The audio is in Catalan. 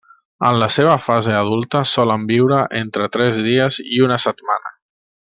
En la seva fase adulta solen viure entre tres dies i una setmana.